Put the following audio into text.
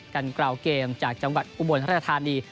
การกราวเกมจากจังหวัดอุบรณ์สรรคาถานี